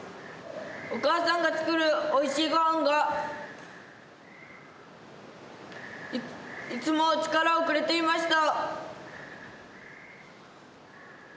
お母さんが作るおいしいご飯がいつも力をくれていました。